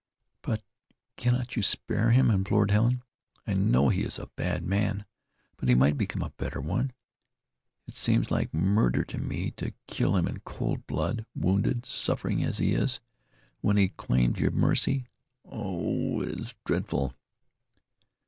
"But cannot you spare him?" implored Helen. "I know he is a bad man; but he might become a better one. It seems like murder to me. To kill him in cold blood, wounded, suffering as he is, when he claimed your mercy. Oh! it is dreadful!"